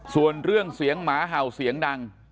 ส่วนเรื่องเสียงหมาเห่าเสียงดัง